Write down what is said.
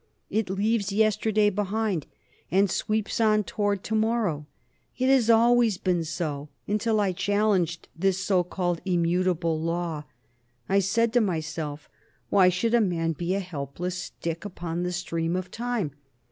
It leaves yesterday behind, and sweeps on towards to morrow. It has always been so until I challenged this so called immutable law. I said to myself, why should a man be a helpless stick upon the stream of time?